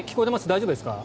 大丈夫ですか？